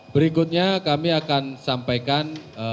berikutnya kami akan sampaikan